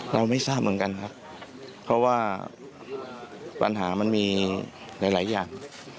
เราไม่ทราบเหมือนกันครับเพราะว่าปัญหามันมีหลายอย่าง